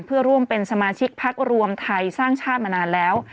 เพื่อร่วมเป็นสมาชิกพักรวมไทยสร้างชาติมานานแล้ว